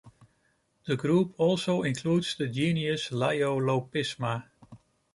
The group also includes the genus "Leiolopisma".